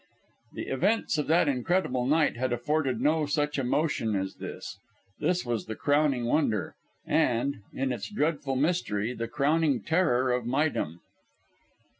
The events of that incredible night had afforded no such emotion as this. This was the crowning wonder, and, in its dreadful mystery, the crowning terror of Méydûm.